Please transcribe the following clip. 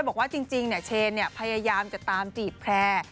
บอกว่าจริงเนี่ยเชนเนี่ยพยายามจะตามจีบแพร่